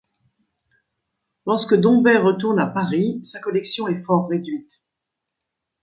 Lorsque Dombey retourne à Paris, sa collection est fort réduite.